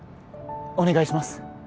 お願いします